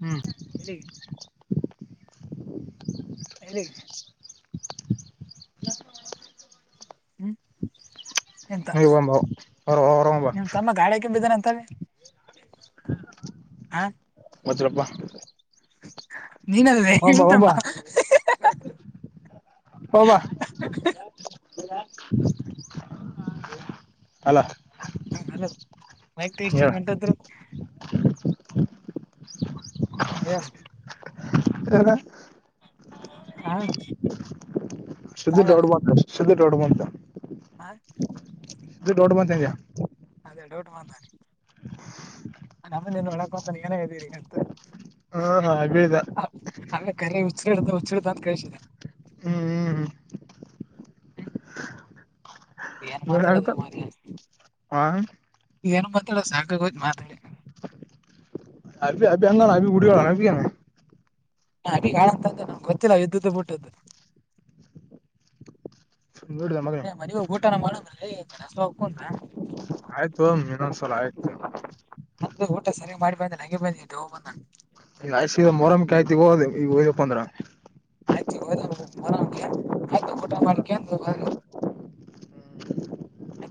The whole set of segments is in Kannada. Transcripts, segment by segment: ಹ್ಮ್ ಎಲ್ಲಿಗೆ ಹೇಳಲಿಿ ಹ್ಮ್ ಎಂತ ನೀ ಒಂಬ ಹೊರ ಹೊರಂಬ ಎ ತಮ್ಮ ಗಾಳಿ ಕೆಂಬಿದನೆಂತ ತ ಹ ಮತ್ತಪ್ಪ ನೀನಲ್ವೇ ಹಂಬ ನಿಮ್ ತಮ್ಮ ಹಂಬಾ ಹಬ ಅಲ ಹಲೋ ಮಕ್ ಇಷ್ಟಂಟದ್ರು ಹ ಎಲ್ಲ ಹ ಶುದ್ಧ ದೊಡ್ಡಬಂತ ಶುದ್ಧ ದೊಡ್ಡುವಂತ ಹ ಇದುಡ್ ದೊಡ್ಡ ಮಂದ ಹೆಂಗಗೆ ಅದೇ ಡೌಟ್ ಮಾಡಂದಾರಿ ನಮ್ದಿಂದ ಒಳಕೊ ಅಂತ ನೀ ಏನೇ ಇದ್ದೀರಿ ಅಂತ ಹಾ ಹಾ ಅ ಬಿದ ಆಮೇಲೆ ಕರೆ ಉಚ್ಚಡತ ಉಚ್ಚರತಾ ಕಸ ಹ್ಮ್ ಏನ್ ಹ್ಮ್ ಆಗ್ತ ಮಾತಾಡೋದು ಮಾರ ಹ ಏನ್ ಮಾತಾಡದು ಸಾ ಗಕ ಗಜ ಮಾದ ಅ ಅಭಿ ಅಂಗಣ ಅ ಗುಡಿಗಳ ಅ ಹ ಅ ಕಾಂತ ನಮ್ಗೆ ಗೊತ್ತಿಲ್ಲ ವ್ದ್ದ ಬಿಟ್ಟದ್ದು ನೋಡಿದ ಮಗನ ಮನಗ ಊಟನ ಮಾಡಂದ್ರ ಗಡಸ ಹಕು ಅಂದ್ರ ಆಯ್ತು ಇನ್ನೊಂದ್ಸಲ ಆಯ್ತು ಅಂದ ಊಟ ಸರಿ ಮಾಡಿ ಬಂದ ನಂಗಗೆ ಬಂದ ಹೋಗ ಬಂದಾನು ಇಲ್ಲ ಆ ಮೊರಮಿಕ ಆಯ್ತಿ ಹೋದ ಈಗ ೋ್ಪ್ಪ ಅಂದ್ರ ಆಯ್ತಗರ ಆಯ್ತು ಊಟ ಮಾಡ [inaudible]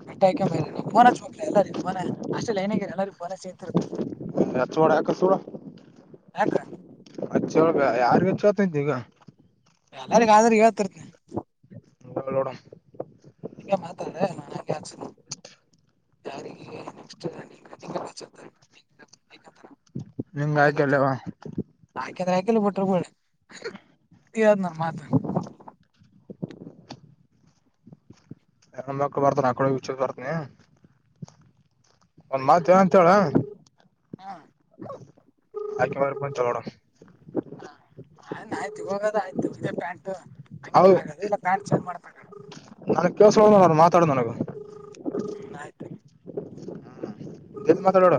ಕಟ್ಟ ಆ್ಕೊಂಡ ಬ ಫೋನ ಚ ಹೋ ಎಲ್ಲರಿ ಫೋನ ಅಷ್ಟೇ ಲೈನಗ ಎಲ್ಲಾರಿ ಫೋನೇಂತಿರ್ ಚವಾಡ ಕಚವಾಡ ಹಕ್ಕ ಹಚ್ಚ ಒಳಗ ಯಾರ್ಗ ಹೆಚ್ಚ ಆತಂತ ಈಗ ್ರೆ ಇವತ್ತರ್ತನ ೋಡ ಹಗ ಮಾತಾಡ ನಾನ್ ಹಾಗೆ ಹಾಕ್ಸಿದ ಯಾರಿಗೆ ನೆಸ್ ಬಂತರ ನಿಂಗಾಯ ಕೆಲ್ಲವಾ ಆಾಕಂದ್ರೆ ಆಾಕಲ್ ಬಿಟರುಬ ಇದ್ ನ ಮಾತ ಅಕ್ಕ ಬರ್ತ ನಾಕಳಿ ಹುಚ್ಚ ಬರ್ತನಿ ಒಂದ್ ಮಾತ್ ಏನ ಅಂತ ಹೇಳ ಹಾ ಆಾಕಿ ಮ್ರ ಚಲೋಡ ಹ ಆಯ್ತು ಹೋಗೋದ ಆಯ್ತು ಇದೇ ಪ್ಯಾಂಟ್ ಹಂಗ ಆಗ ಇಲ್ಲ ಪ್ಯಾಂಟ್ ಚೇಂಜ್ ಮಾಡ್ತ ಹ ನನ್ಗ್ ಕಲ್ಸ ಹೋರು ಮಾತಾಡ ನನಗ ಆಯ್ತು ಎಲ್ದ ಮಾತಾಡೋಡ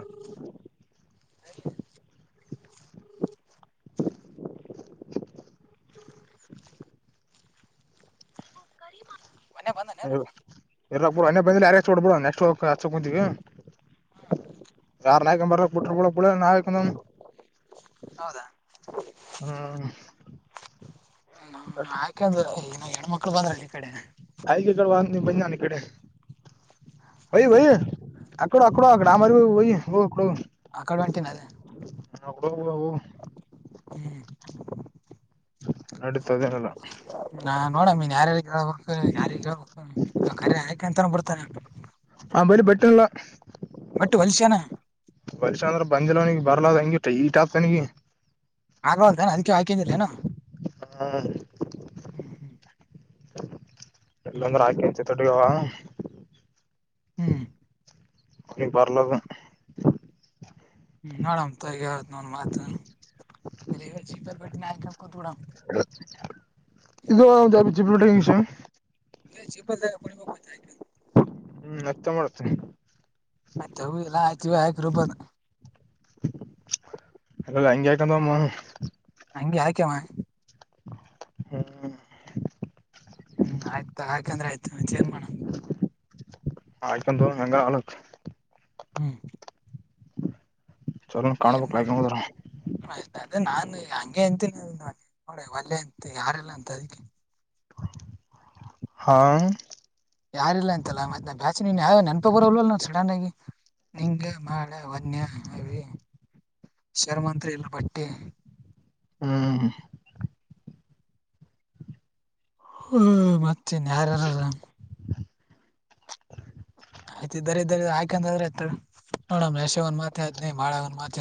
ಮನ್ನ ಬಂದನನು ಎರಾಕ್ಬ ಬಿಡ ಅನ್ನೇ ಬಂದ ಯಾರಚ್ಚ ಕೊಡ್ಬಡ ನೆಕ್ಸ್ಟ್ ಹಚ್ಚ ಕುಂತಿಗೆ ಯಾರ ನಕ ಬ ಪುಟ್ಟಳ ಪಳ ನಾಕಂದ ಹೌದಾ ಹಾ ಆಾಕಂದ್ರ ಇ ಎಡ್ ಮಕ್ಳು ಬಂದ್ರಲ್ಲಿ ಈ ಕಡೆ ಆಗ ಕ ಬಾಿಕೆ ಭೈ ಭೈ ಹ್ಮ್ ಅಕೋ ಅಕೋ ಆ ನಾಮ ವ ಅ ಕಡೆ ಎಂಟನ ಅದ ಓ ಹ್ಮ್ ಇತದೇನಲ್ಲ ಹಾ ನೋಡ ನೀನ್ ಯಾರ್ಯಾರೇಬೇಕು ಯಾರಿಿಗೆ ಹೇಳ್ಬೇಕು ಕರಿ ಆಯ್ಕ ಅಂತ ಬಿಡ್ತಾನ ಹ ಬಲಿಿ ಬೆೆಟ್ಟಲ್ಲ ಮಟ್ಟು ವಲಶಾನ ಬಂದಿಲ್ಲನಗ್ ಬರ್ಲ ಹಂಗಿ ಈಟ್ ಆಗ್ತನಿಗೆ ಆಗಂತಾನ ಅದಕ್ಕೆ ಹಾಕಿದ್ದಿಲ್ಲನ ಹ್ಮ್ ಹ್ಮ್ ಎಲ್ಲೊಂದ್ರೆ ಹಾಕಿಂಚ ತೊಡಗುವ ಹ್ಮ್ ಹ ಬರ್ಲ ಹ್ಮ್ ನೋಡಮ್ ತಗಿ ಹೇಳ್ತ್ ನೋಡ್ ಮಾತು ನಿನಾಯಕುೂಾ ಇದು ಜಾಪ ಬಿ ವಿಷ ಸಿ ಬ ಕೊಡಿ ಬ ಹ್ಮ್ ಅತ್ತ ಮಾಡುತ್ತ ಆಯ್ತು ಹಲ್ಲ ಆಯ್ತ ಆಯಕ ರರುಬ ಅ ಅಂಗಗೆ ಆಕಂದಮ್ಮ ಹೆಂಗೆ ಆಯ್ಕವಾ ಹ್ಮ್ ಹ್ಮ್ ಆಯ್ತ ಆಾ್ಕಂದ್ರೆ ಆಯ್ತು ಮಂಚ ಏನ್ ಮಾಡಣ ಆಕಂದು ಅಂಗ ಅಲ ಹ್ಮ್ ಚಲ ಕಾಣಬೇಕಕ್ ಹದ್ರ ಅದ ನಾನನ್ ಹಂಗೆ ಅಂತನೆ ನೋಡ ಒಲ್ಲೆ ಅಂತ ಯಾರೆಲ್ಲ ಅಂತ ಅದಕ್ಕೆ ಹಾ ಯಾರಿಲ್ಲ ಅಂತಲ್ಲ ಮತ್ತೆ ನ ಬ್ಯಾಚ ನೀನ್ ಯಾವ ನೆನಪ ಬರಲ್ಲ ನಾ ಸಡನ್ ಆಗಿ ನಿಂಗ ಮಾಡಳ ವನ್ಯ ಅರಿ ಶರ್ಮಂತ್ರಿ ಎಲ್ ಭಟ್ಟೆ ಹ್ಮ್ ಹ್ಮ್ ಮತ್ತೇನ್ ಯಾರ್ಯಾರದ ಆಯ್ತ ದರೀ ದರ ಹಯಕಂದ್ರೆ ಆತ ನೋಡಮ್ಮ ಎಷ್ಟ ಮ ಒ ಮಾತ ನ ಮಾಳಾವ ಮಾತ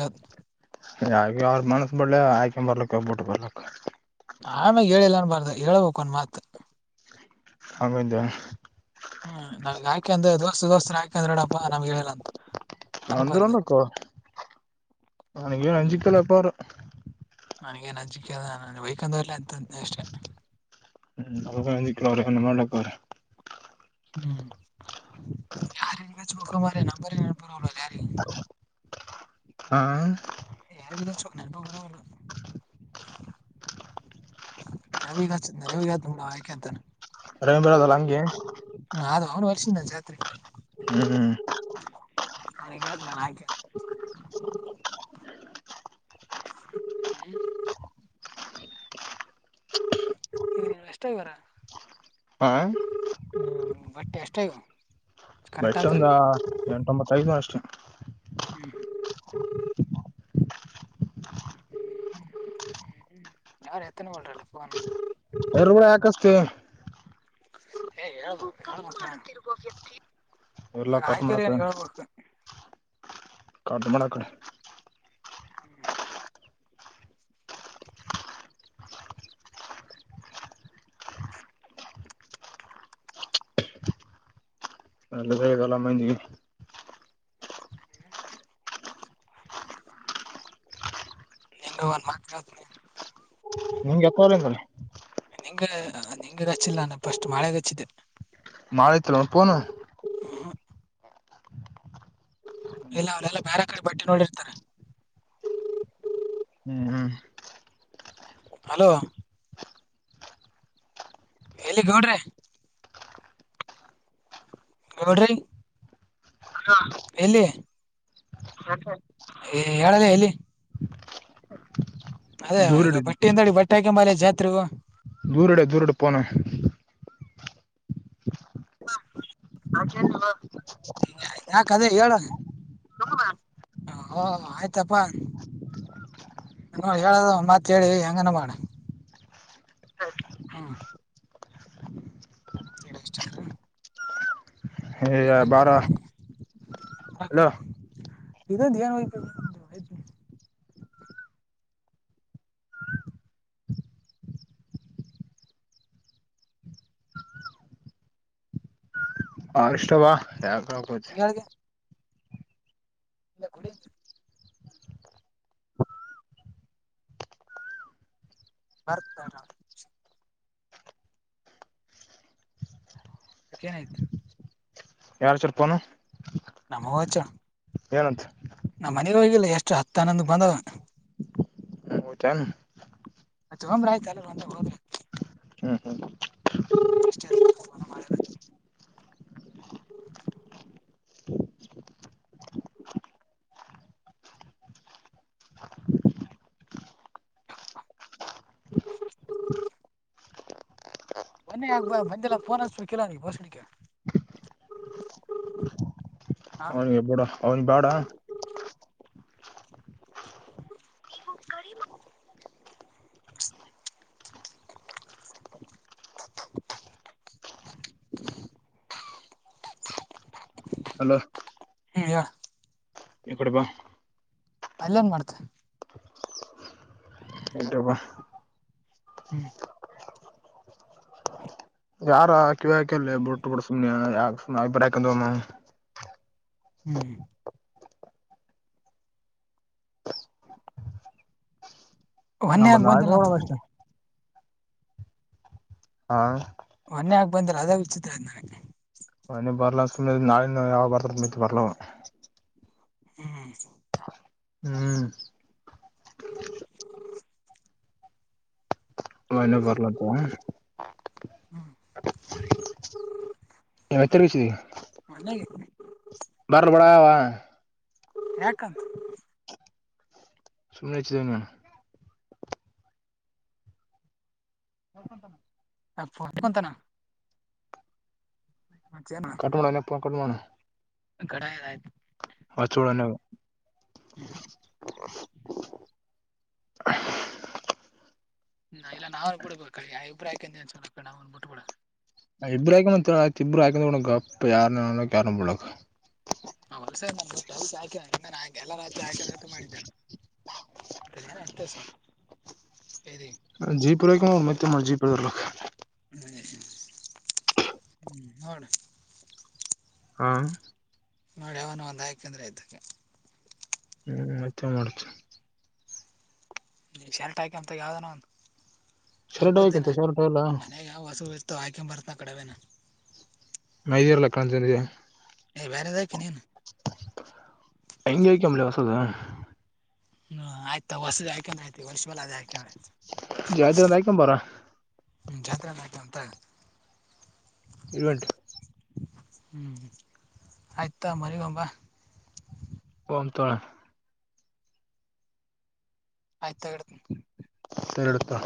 ಒಳ್ಳೆ ಆಯ್ಕೊ್ ಬರ್ಲಕ್ಕ ಒೋಗಬಿಟ್ಟು ಬರ್ಲಕ್ಕ ಆಮೇ ಹೇಳಿಲ್ಲ ಅನ್ ಬಾರ್ದ ಹೇಳ್ಬೇಕು ಒನ್ ಮಾತ್ ಹಂಗಂದು ಹ್ಮ್ ನಾವ್ ಹಾಕೆ ಅಂದ್ರೆ ದೋಸ್ಸ ದೋಸ್ತ್ ಹಾಕಿ ಕದ್ರಡಪ್ಪ ನಮ್ಗೆ ಹೇಳಿಲ್ಲ ಅಂತ ಅನಬಾರದು ನನಗೆ ಏನು ಅಂಜ ಕಲ್ಲಪ್ಪರ ನನಗೇನ್ ಅಜಿಕೆದ ವೈೇಕಂದ ಅಂತ ಅಷ್ಟೇ ಹ್ಮ್ ಅವಲ ಅವ್ರನ ಮಾಡ್ಲಕ್ಕ ಅವ್ರ ಹ್ಮ್ ಯಾರ ಹಕ ಮ್ರ ನ ಯಾರ ಹ ಯಾರ ಚ ನಪರಲ್ಲ ರವಿಗತ ರವಿಗ ಆಯಕತ ರ ಬರೋದಲ್ಲ ಹಂಗೆ ತ್ರಿ ಹ್ಮ್ ಹ್ಮ್ ಅ ಕಳ್ತ ನಾನ ಆಯ ಹ ಎಷ್ಟ ಇದವಾರ ಆ ಟೆಸ್ಟ್ಾಯಾ ಬಟ್ಸ ಒಂದ ಎಂಟೊಂಬತ್ತೈದನ ಅಷ್ಟೆ ಹ್ಮ್ ್ಮ್ಮ ಯಾರು ಎತ್ತನ ಮಾಡ್ರಲ್ಲ ಫೋನ್ ಎರಗರು ಯಾಕಷ್ಟೇ ಮಾಡತಿಗ ವ್ಯಕ್ತಿ ಎಲ್ಲ ಇವ ಕಟ್ ಆಯ್ಕರಿ ಏನ್ ಹೇಳ್ಬೇಕು ಕಟ ಮಾಡಳ ಕಡೆ ಅಲ್ಲ ಹೇಗಲ್ಲ ಮಂದಿಗೆ ಹೆಂಗ ಒನ್ ಮಾತ್ ಹೇಳ್ತನಿ ನಿಂ್ಗೆ ಎತ್ತವರೆನೆ ನಿಂಗ ನಿಂಗೆ ಹಚ್ಚಿಲ್ಲ ನಾನು ಫಸ್ಟ್ ಮಳೆಗ ಹಚ್ಚಿದ್ದೆ ಮಾಳತ್ನು ಪನು ಇಲ್ಲ ಅವಲ್ಲ ಎಲ್ಲ ಬೇರೆ ಕಡೆ ಬಟ್ಟೆ ನೋಡಿರ್ತಾರೆ ಹ್ಮ್ ಹ್ಮ್ ಹಲೋ ಎಲ್ಲಿ ಗೌಡ್ರೆ ಎವಡು ಹ ಎಲ್ಲಿ ಹೇಳದ ಎಲ್ಲಿ ಅದೇ ದೂರ ಈಗ ಇಡಿ ಬಟ್ಟೆಯಿಂದಡಿ ಬಟ್ಟೆ ಹಾಕಂಬಲೆೆ ಜಾತ್ರೆಗೂ ದೂರಡ ದೂರಡು ಪೋನ ಯಾಕದೇ ಹೇಳ ಹ ಆಯ್ತಪ್ಪಾ ನ ಹೇಳದು ಮತ್ ಹೇಳಿ ಹೆಂಗನ ಮಾಡಿ ಹಾ ಎಡ ಎಷ್ಟಾರ ಹ ಬಾರ ಅಲೋ [unintelligible] ಇದ ್ಯಾಾನ ವ ಹ ಇಷ್ಟಬಾ ಯಕ ಇಲ್ಲ ಕುಡ ಬರ್ತರ ಯಾಕೇನಾಯ್ತು ಯಾರು ಚರ್ಪನು ನಮವಾಚಾ ಏನಂತ ನಾ ಮನೆಗೆ ಹೋಗಿಲ್ಲ ಎಷ್ಟು ಹತ್ತ ಹನ್ನೊಂದ ಬಂದಾವ ಊಟನು ಅೆ ಹಮ್ರ ಆಯ್ತ ಅಲ್ಲ ಒಂದ ಹೋದ್ರ ಹ್ಮ್ ಹ್ಮ್ ಹ್ಮಷ್ಟ [inaudible] ಮೊನ್ನೆ ಆಗ್ಬ ಮಂದೆಲ್ಲ ಫೋನ್ ಹಸ್ಬೇಕಲ್ಲ ನೀ ಬಷಣಕ್ಕೆ ಅವನ್ಗೆ ಬೂಡ ಅವನ್ ಬಾಡ [unintelligible] ಇವು ಕ ತ ಹಲೋ ಹಾ ಎಡಬ ಅಲ್ಲ ನ್ ಮಾಡ್ತೆ ಟಪ್ಪ ಹ್ಮ್ ಯಾರಾ ಕಿವಿಾಕಲ್ಲ ಬಿಟ್ಟ ಕೊೂಡ ಸುಮ್ಯ ಯಾ ಸು ಅಿಬ್ರ ಹಾಕೊಂಡಮ್ಮ ಹ್ಮ್ ನಮ್ಮ ಮನ್ನಿಗ ನಾಳೆ ಬಂದಿಲ್ಲ ನೋಡೋಣ ತಪ್ಪು ಅಷ್ಟೇ ಹಾ ಮೊನ್ನೆ ಹಾಕ್ ಬಂದರ ಅದಾಗ ಉಚತ್ರ್ ನನಗೆ ಮನೆಿ ಬರ್ಲ ಸು ನಾಳ ಯಾವ ಬರ್ದ ಬರ್ಲವ ಹ್ಮ ಹ್ಮ್ [unintelligible] ವನ ಬರ್ಲಂತ ಹ್ಮ್ ಹೈತರೀಷಿದ ಹ ಅವ ಯಾಕಂತ [unintelligible] ಶುನ್ನ ತನ ಹಕಂತಾನ ಕಟ್ ಮಾಡೋಣಪ್ಪ ಕಟ್ ಮಾಡೋಣ ಕಡ ಆಯ್ತು ವಚುಳನ ಹ್ಮ್ [unintelligible] [unintelligible] ಹಾ ಇಲ್ಲ ನಾವನ್ ಬಿಡ್ಬೇಕ ಅಭಿಪ್ರ ಯಾಕ ನಾವನ್ ಬಿಟ್ಬಡ ಇಬ್ಬ ಹಾಕ ಮತ್ಯ ಇಬ್ರು ಹಾಕಂದ ಗಪ್ ಯಾರಕ್ ಯಾರ ಬಿಳಕ್ ಹಾಕ ಇನ್ನಾನು ಎಲ್ಲ ರಾತ್ ಹಾಕ ಅಂತ ಮಾಡಿದ್ದಾನೆ ಂತ ಎಂತೆ ಸವ ಜೀಪ್ ರಕ ಮತ್ತೆ ಮಾಡ ಜೀಪ್ರ್ಲ ಹ್ಮ ಹ ಹಾ ನೋಡ ಅವನ ಒಂದು ಯಾಕಂದ್ರೆ ಇದ್ದಕ್ಕೆ ಹ್ಮ್ ಮತ್ತೆ ಮಾಡತು ನೀ ಶೆಲ್ಟ್ ಹಾಕಂತ ಯಾವ್ದಾನ ಒಂದು ಶರ್ಟ್ ಹಾಕಂತ ಹಬ್ಬದೇನಾ ಶರ್ಟ್ ಎಲ್ಲ ಮನ್ಯಾಗ ಯಾವ ಹಸು ಇರ್ತ ಆಾ್ಕ ಬರ್ತನ ಕಡವೇನ ಮೈದರ್ಲ್ಲಕ್ಕಣಂತನಿದೆ ಏ ಬೇರೆದಕ ನೀನು ಹತದಾ ಹ್ಮ ಆಯ್ತಾ ಹೊಸದ ಆ್ಕ ಆಯ್ತು ವರ್ಷ ಬಲ್ಲ ಅದೆ ಆಕ ಜಾತಿ ಒಂದ್ ಹಾಕೊಂಬಾರ ಹ್ಮ ಜಾತ್ಾಕ ಅಂತ ಇರುವಂಟು ಹ್ಮ್ ಆಯ್ತಾ ಮರಿಗಂಬಾ ಹ ತೋಳ ಆಯ್ತ ತಗತ ಉತ್ತರತ